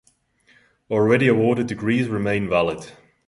Already awarded degrees remain valid.